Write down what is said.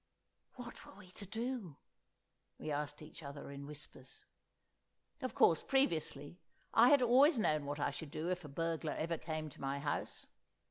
What were we to do, we asked each other in whispers? Of course, previously, I had always known what I should do if a burglar ever came to my house.